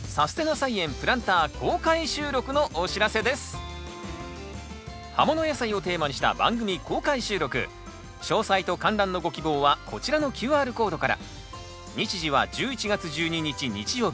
最後に番組から葉もの野菜をテーマにした番組公開収録詳細と観覧のご希望はこちらのＱＲコードから。